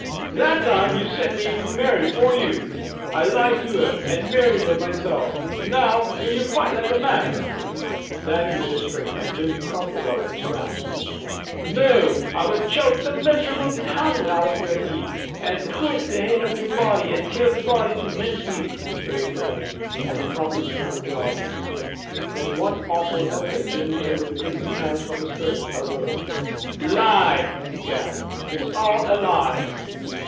"That time you sint me to Mary for you, I lied to her, and married her meself. NOW, will you fight like a man?" Dannie made a spring, and Jimmy crumpled up in his grasp. "Noo, I will choke the miserable tongue out of your heid, and twist the heid off your body, and tear the body to mince meat," raved Dannie, and he promptly began the job. With one awful effort Jimmy tore the gripping hands from his throat a little. "Lie!" he gasped. "It's all a lie!"